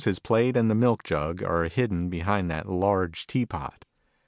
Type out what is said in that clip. his plate and the milk jug are hidden behind that large tea pot.